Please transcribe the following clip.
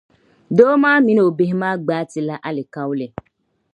doo maa mini o bihi maa gbaai ti la alikauli.